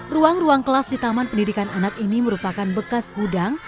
ruang ruang kelas di taman pendidikan anak ini merupakan bekas gudang